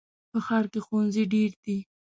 په ښار کې ښوونځي ډېر دي.